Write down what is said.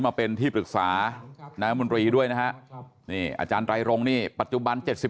มาเป็นที่ปรึกษานายมนตรีด้วยนะฮะนี่อาจารย์ไตรรงค์นี่ปัจจุบัน๗๘